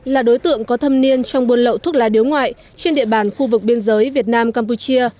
là đối tượng có thâm niên trong buôn lậu thuốc lá điếu ngoại trên địa bàn khu vực biên giới việt nam campuchia